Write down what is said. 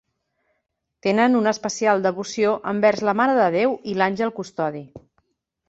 Tenen una especial devoció envers la Mare de Déu i l'àngel custodi.